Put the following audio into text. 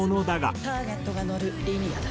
ターゲットが乗るリニアだ。